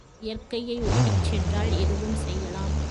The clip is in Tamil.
இயற்கையை ஒட்டிச் சென்றால் எதுவும் செய்யலாம்.